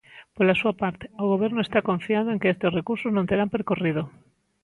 Pola súa parte, o Goberno está confiado en que estes recursos non terán percorrido.